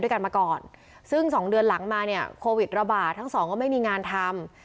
ด้วยกันมาก่อนซึ่งสองเดือนหลังมาเนี่ยโควิดระบาดทั้งสองก็ไม่มีงานทำ